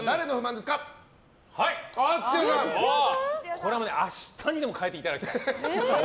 これは明日にでも変えていただきたい。